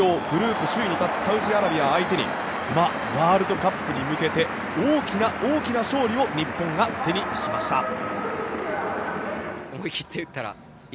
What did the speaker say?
グループ首位に立つサウジアラビアを相手にワールドカップに向けて大きな大きな勝利を日本が手にしました。